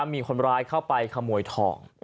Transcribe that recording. มีคนร้ายเข้าไปขโมยทอง